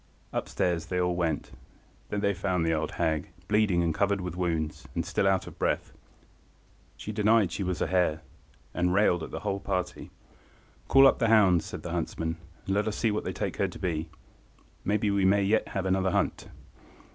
Up–stairs they all went. There they found the old hag, bleeding and covered with wounds, and still out of breath. She denied she was a hare, and railed at the whole party. "Call up the hounds," said the huntsman, "and let us see what they take her to be. Maybe we may yet have another hunt."